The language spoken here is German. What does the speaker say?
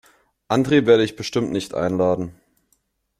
Andre werde ich bestimmt nicht einladen.